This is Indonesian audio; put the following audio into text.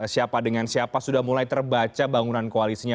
siapa dengan siapa sudah mulai terbaca bangunan koalisinya